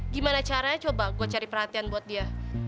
gimana caranya coba gue cari perhatian buat dia